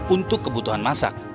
untuk kebutuhan masak